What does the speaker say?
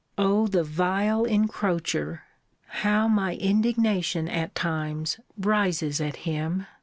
O the vile encroacher! how my indignation, at times, rises at him!